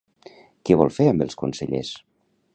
Què vol fer amb els consellers?